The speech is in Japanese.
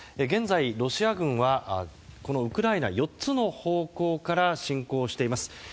現在、ロシア軍はウクライナ４つの方向から侵攻をしています。